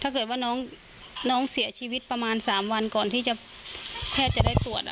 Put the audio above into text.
ถ้าเกิดว่าน้องเสียชีวิตประมาณ๓วันก่อนที่แพทย์จะได้ตรวจ